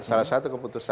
salah satu keputusan